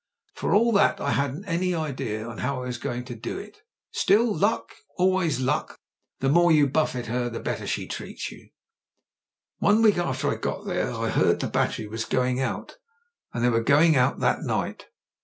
For all that, I hadn't an idea how I was going to do it Still, luck, always luck; the more you buffet her the better she treats you. ''One week after I got there I heard the battery was going out : and they were going out that night.